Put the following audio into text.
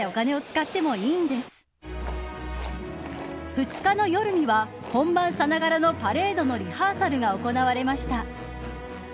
２日の夜には本番さながらのパレードのリハーサルが行われました。